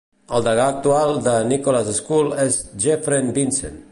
El degà actual de Nicholas School és Jeffrey Vincent.